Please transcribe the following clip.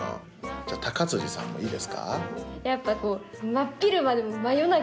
じゃあさんもいいですか？